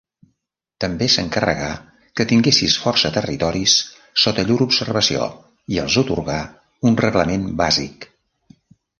També s'encarregà que tinguessis força territoris sota llur observació i els atorgà un reglament bàsic.